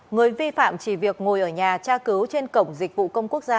người vi phạm chỉ việc ngồi ở nhà tra cứu trên cổng dịch vụ công quốc gia